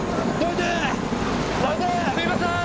すいませーん！